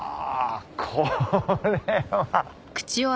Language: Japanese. これは。